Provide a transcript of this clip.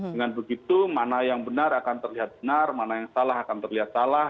dengan begitu mana yang benar akan terlihat benar mana yang salah akan terlihat salah